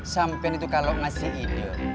sampai itu kalau masih hidup